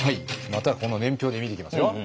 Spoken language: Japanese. またこの年表で見ていきますよ。